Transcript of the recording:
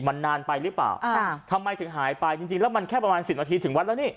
มันนานไปหรือเปล่าทำไมถึงหายไปจริงจริงแล้วมันแค่ประมาณสิบนาทีถึงวัดแล้วนี่